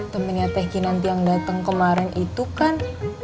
temennya teh kinanti yang dateng kemaren itu kan